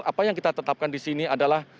apa yang kita tetapkan di sini adalah